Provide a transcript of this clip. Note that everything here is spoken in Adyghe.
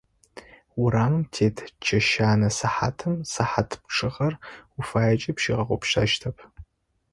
Урамым тет чэщанэ сыхьатым, сыхьат пчъагъэр уфаекӏи пщигъэгъупшэщтэп.